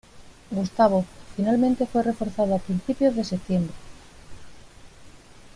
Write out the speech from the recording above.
Gustavo finalmente fue reforzado a principios de septiembre.